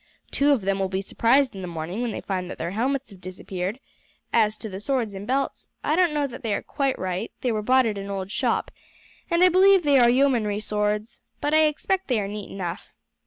Two of them will be surprised in the morning when they find that their helmets have disappeared; as to the swords and belts, I don't know that they are quite right; they were bought at an old shop, and I believe they are yeomanry swords, but I expect they are neat enough.